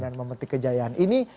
dan memetik kejayaan ini